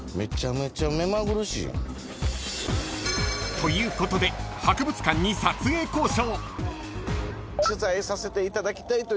［ということで博物館に撮影交渉］